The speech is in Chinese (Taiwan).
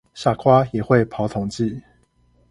傻瓜也會跑統計